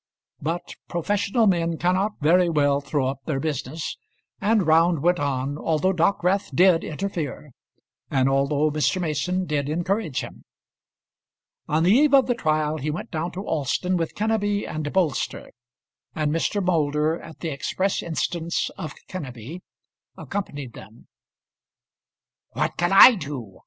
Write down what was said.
But professional men cannot very well throw up their business, and Round went on, although Dockwrath did interfere, and although Mr. Mason did encourage him. On the eve of the trial he went down to Alston with Kenneby and Bolster; and Mr. Moulder, at the express instance of Kenneby, accompanied them. "What can I do?